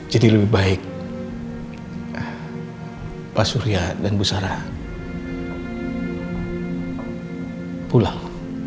jadi lebih baik pak surya dan bu sarah pulang